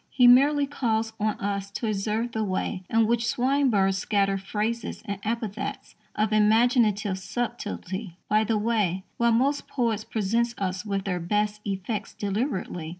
He merely calls on us to observe the way in which Swinburne scatters phrases and epithets of "imaginative subtlety" by the way, while most poets "present us with their best effects deliberately."